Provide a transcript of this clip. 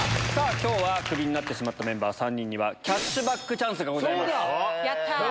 今日はクビになってしまったメンバー３人にはキャッシュバックチャンスがございます。